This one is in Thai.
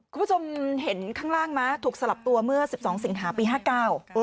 คุณผู้ชมเห็นข้างล่างไหมถูกสลับตัวเมื่อสิบสองสิงหาปีห้าเก้า